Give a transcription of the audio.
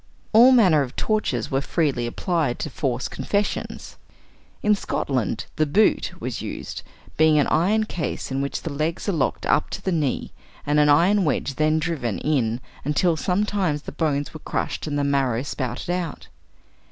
All manner of tortures were freely applied to force confessions. In Scotland "the boot" was used, being an iron case in which the legs are locked up to the knees, and an iron wedge then driven in until sometimes the bones were crushed and the marrow spouted out.